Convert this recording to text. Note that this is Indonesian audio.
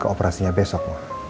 nah operasinya besok mah